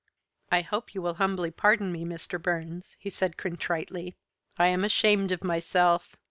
"I hope you will humbly pardon me, Mr. Burns," he said contritely. "I am ashamed of myself.